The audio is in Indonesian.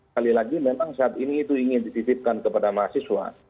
kali lagi memang saat ini itu ingin dititipkan kepada mahasiswa